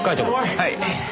はい。